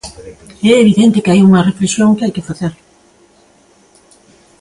É evidente que hai unha reflexión que hai que facer.